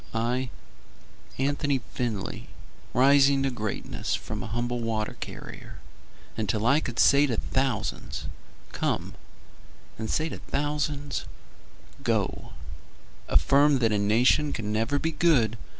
I, Anthony Findlay, rising to greatness From a humble water carrier, Until I could say to thousands "Come," And say to thousands "Go," Affirm that a nation can never be good.